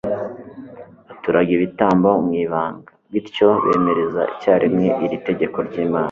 baturaga ibitambo mu ibanga, bityo bemereza icyarimwe iri tegeko ry'imana